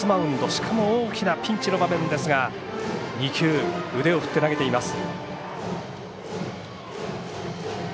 しかも大きなピンチの場面ですが腕を振って投げています。